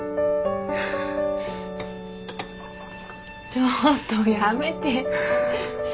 ちょっとやめて。